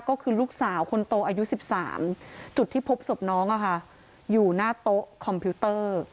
ก็คือลูกสาวคนโตอายุ๑๓จุดที่พบศพน้องอยู่หน้าโต๊ะคอมพิวเตอร์